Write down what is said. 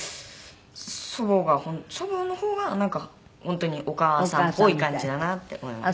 祖母の方がなんか本当にお母さんっぽい感じだなって思います。